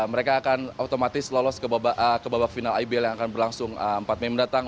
mereka akan otomatis lolos ke babak final ibl yang akan berlangsung empat mei mendatang